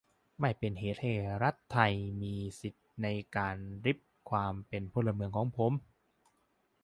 ไม่เป็นเหตุให้รัฐไทยมีสิทธิในการริบความเป็นพลเมืองของผม